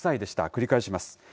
繰り返します。